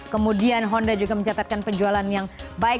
kemudian honda juga mencatatkan penjualan yang baik